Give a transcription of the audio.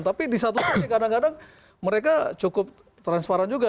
tapi di satu sisi kadang kadang mereka cukup transparan juga